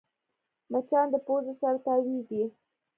مچان د پوزې سره تاوېږي